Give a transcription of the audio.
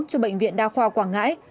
cho bệnh viện đa khoa quảng ngãi